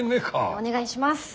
お願いします。